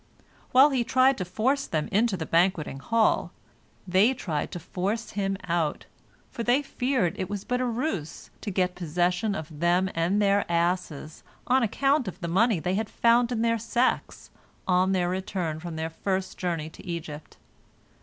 While he tried to force them into the banqueting hall, they tried to force him out, for they feared it was but a ruse to get possession of them and their asses, on account of the money they had found in their sacks on their return from their first journey to Egypt.